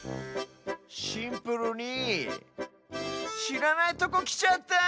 「シンプルにしらないとこきちゃった！」。